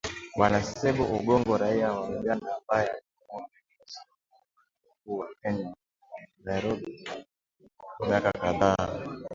Bwana Ssebbo Ogongo, raia wa Uganda, ambaye amekuwa akiishi katika mji mkuu wa Kenya, Nairobi, kwa miaka kadhaa